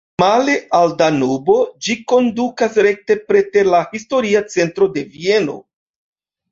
Male al Danubo, ĝi kondukas rekte preter la historia centro de Vieno.